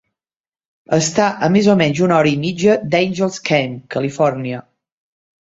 Està a més o menys una hora i mitja d'Angels Camp, Califòrnia.